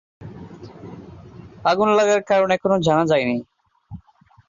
আগুন লাগার কারণ এখনো জানা যায়নি।